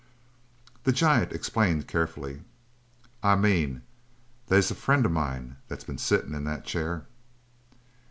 The giant explained carefully: "I mean, they's a friend of mine that's been sittin' in that chair."